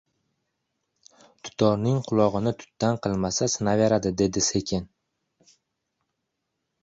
— Dutorning qulog‘ini tutdan qilmasa sinaveradi, — dedi sekin.